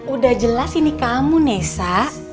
udah jelas ini kamu nesa